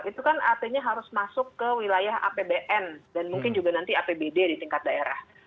itu kan artinya harus masuk ke wilayah apbn dan mungkin juga nanti apbd di tingkat daerah